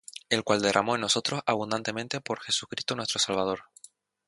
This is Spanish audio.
El cual derramó en nosotros abundantemente por Jesucristo nuestro Salvador,